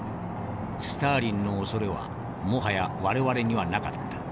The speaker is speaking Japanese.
スターリンの恐れはもはや我々にはなかった。